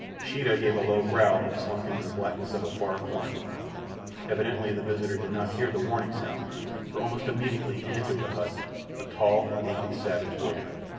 Sheeta gave a low growl and slunk into the blackness of a far corner. Evidently the visitor did not hear the warning sound, for almost immediately he entered the hut—a tall, naked, savage warrior.